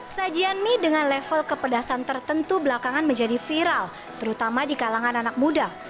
sajian mie dengan level kepedasan tertentu belakangan menjadi viral terutama di kalangan anak muda